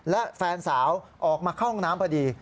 และแฟนสาวออกมาเข้าห้องน้ำพอดี